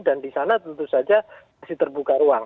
dan di sana tentu saja masih terbuka ruang